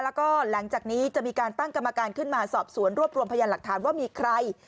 แล้วก็หลังจากนี้จะมีการตั้งกรรมการขึ้นมาสอบสวนรวบรวมพยานหลักฐานว่ามีใคร